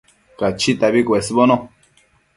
Cachitabi cuesbono